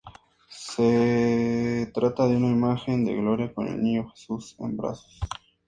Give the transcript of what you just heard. Se trata de una imagen de gloria con el Niño Jesús en brazos.